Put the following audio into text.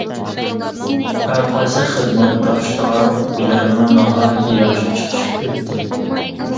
ھەرقايسى خىزمەتداشلار بىلەنمۇ ناھايىتى ياخشى چىقىشىپ ئۆتتى.